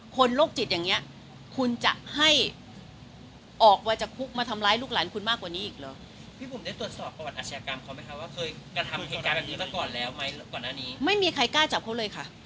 คนโรคจิตอย่างเงี้ยคุณจะให้ออกไว้จากคุกมาทำร้ายลูกหลานคุณมากกว่านี้อีกเหรอ